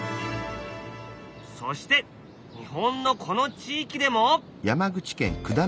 そして日本のこの地域でも？